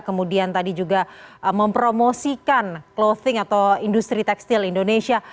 kemudian tadi juga mempromosikan clothing atau industri tekstil indonesia